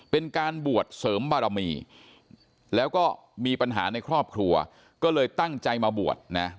เป็นการบวชเสริมบารมีแล้วก็มีปัญหาในครอบครัวก็เลยตั้งใจมาบวชนะ